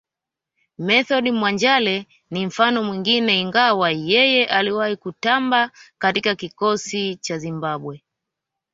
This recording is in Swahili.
Method Mwanjale ni mfano mwingine ingawa yeye aliwahi kutamba katika kikosi cha Zimbabwe